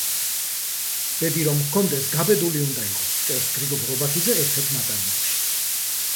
"ბედი რომ გქონდეს, გაბედული უნდა იყო", წერს გრიგოლ რობაქიძე ერთ-ერთ ნაწარმოებში.